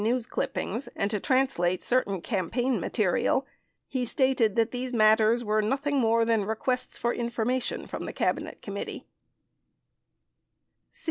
397 news clippings and to translate certain campaign material, lie stated that these matters were nothing more than requests for "information" from the Cabinet Committee.